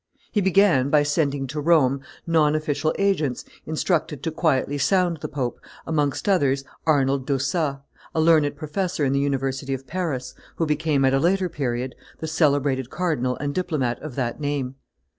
He began by sending to Rome non official agents, instructed to quietly sound the pope, amongst others Arnold d'Ossat, a learned professor in the University of Paris, who became, at a later period, the celebrated cardinal and diplomat of that name.